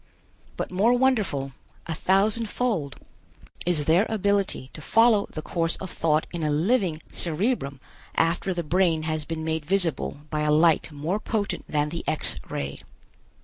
But more wonderful, a thousand fold, is their ability to follow the course of thought in a living cerebrum after the brain has been made visible by a light more potent than the X ray.